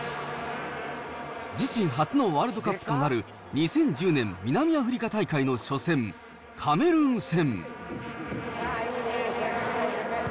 自身初のワールドカップとなる、２０１０年南アフリカ大会の初戦、カメルーン戦。